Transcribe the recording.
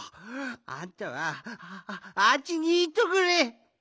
あんたはああっちにいっとくれ！